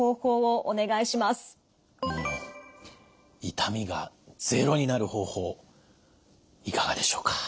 痛みがゼロになる方法いかがでしょうか。